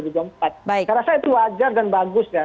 saya rasa itu wajar dan bagus ya